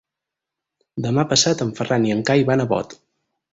Demà passat en Ferran i en Cai van a Bot.